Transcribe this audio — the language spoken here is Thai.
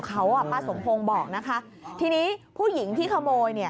ป้าสมโพงบอกนะคะทีนี้ผู้หญิงที่ขโมย